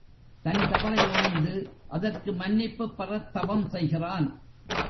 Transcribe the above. தன் தவறை உணர்ந்து அதற்கு மன்னிப்புப் பெறத் தவம் செய்கிறான்.